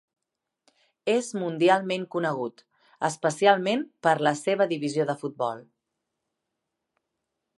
És mundialment conegut, especialment per la seva divisió de futbol.